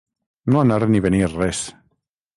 No anar ni venir res.